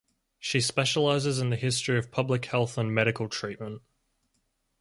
She specializes in the history of public health and medical treatment.